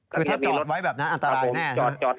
ถ้าจอดไว้แบบนั้นอันตรายแน่นะครับ